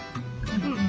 うん。